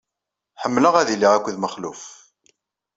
Ḥemmleɣ ad iliɣ akked Mexluf.